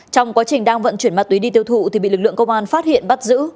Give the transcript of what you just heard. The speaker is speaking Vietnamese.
trong quá trình đang vận chuyển ma túy đi tiêu thụ thì bị lực lượng công an phát hiện bắt giữ